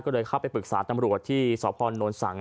ก็เลยเข้าไปปรึกษาตำรวจที่สพนสัง